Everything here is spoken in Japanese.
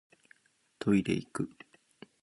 トイレいく